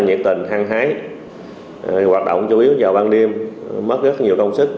nhiệt tình hăng hái hoạt động chủ yếu vào ban đêm mất rất nhiều công sức